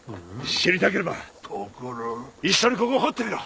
知りたければ一緒にここを掘ってみろ！